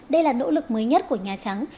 đây là nỗ lực mới nhất của nhà trắng